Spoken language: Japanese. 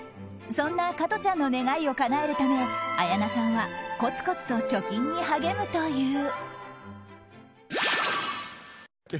そんな加トちゃんの願いをかなえるため綾菜さんはコツコツと貯金に励むという。